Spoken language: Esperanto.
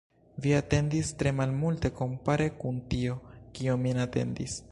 Vi atendis tre malmulte, kompare kun tio, kio min atendis.